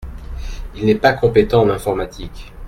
Il n’est pas compétent en informatique.